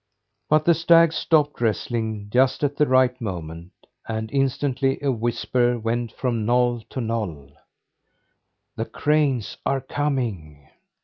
But the stags stopped wrestling just at the right moment, and instantly a whisper went from knoll to knoll: "The cranes are coming!"